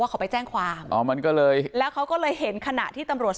เขาไปแจ้งความอ๋อมันก็เลยแล้วเขาก็เลยเห็นขณะที่ตำรวจ